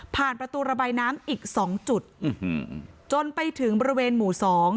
ประตูระบายน้ำอีกสองจุดจนไปถึงบริเวณหมู่สอง